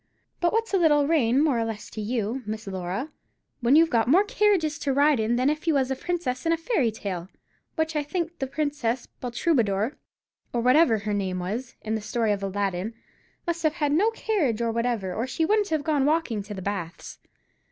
But what's a little rain more or less to you, Miss Laura, when you've got more carriages to ride in than if you was a princess in a fairy tale, which I think the Princess Baltroubadore, or whatever her hard name was, in the story of Aladdin, must have had no carriage whatever, or she wouldn't have gone walkin' to the baths.